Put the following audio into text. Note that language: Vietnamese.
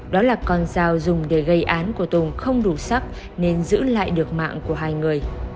đó là con dao dùng để gây án của tùng không đủ sắc nên giữ lại được mạng của hai người